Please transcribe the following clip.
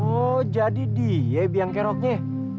oh jadi dia biang keroknya